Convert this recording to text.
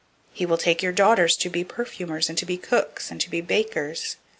008:013 He will take your daughters to be perfumers, and to be cooks, and to be bakers.